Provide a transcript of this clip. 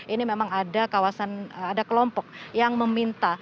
ini memang ada kawasan ada kelompok yang meminta